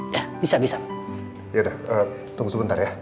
ya bisa bisa yaudah tunggu sebentar ya